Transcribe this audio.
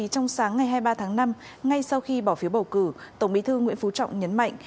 trong sáng ngày hai mươi ba tháng năm ngay sau khi bỏ phiếu bầu cử tổng bí thư nguyễn phú trọng nhấn mạnh